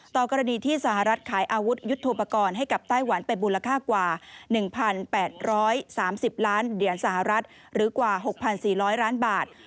กรณีที่สหรัฐขายอาวุธยุทธโปรกรณ์ให้กับไต้หวันไปมูลค่ากว่า๑๘๓๐ล้านเหรียญสหรัฐหรือกว่า๖๔๐๐ล้านบาท